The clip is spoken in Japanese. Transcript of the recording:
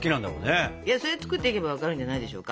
それは作っていけば分かるんじゃないでしょうか。